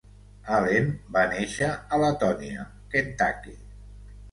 Allen va néixer a Latonia, Kentucky.